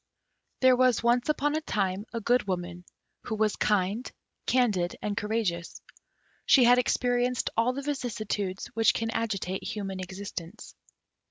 There was once upon a time a Good Woman, who was kind, candid, and courageous. She had experienced all the vicissitudes which can agitate human existence.